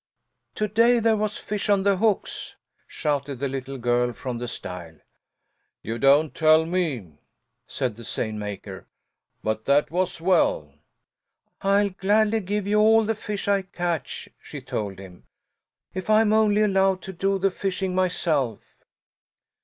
"To day there was fish on the hooks!" shouted the little girl from the stile. "You don't tell me!" said the seine maker. "But that was well." "I'll gladly give you all the fish I catch," she told him, "if I'm only allowed to do the fishing myself."